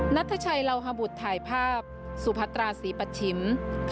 น้ำตกโอ้หัวโอก